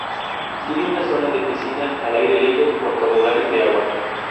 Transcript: Tiene una zona de piscina al aire libre con toboganes de agua.